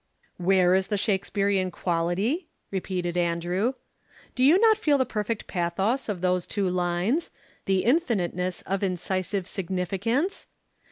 '" "Where is the Shakespearean quality?" repeated Andrew. "Do you not feel the perfect pathos of those two lines, the infiniteness of incisive significance?